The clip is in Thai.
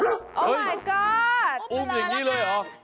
โอ้มายก็อดอุ้มเวลาแล้วแค่งอุ้มอย่างนี้เลยเหรอ